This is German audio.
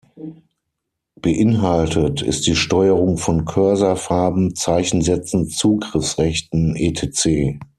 Beinhaltet ist die Steuerung von Cursor, Farben, Zeichensätzen, Zugriffsrechten etc.